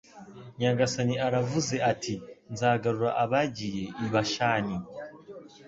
Nyagasani aravuze ati Nzagarura abagiye i Bashani